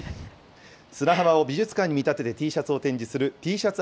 砂浜を美術館に見立てて、Ｔシャツを展示するＴシャツ